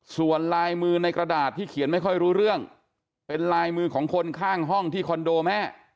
ส่วนลายมือในกระดาษที่เขียนไม่ค่อยรู้เรื่องเป็นลายมือของคนข้างห้องที่คอนโดแม่